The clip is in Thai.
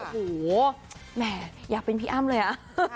โอ้โหแหมอยากเป็นพี่อ้ำเลยอ่ะ